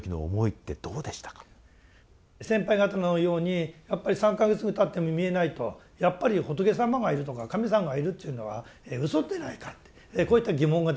先輩方のようにやっぱり３か月たっても見えないとやっぱり仏様がいるとか神様がいるというのはうそでないかってこういった疑問が出てくるんですね。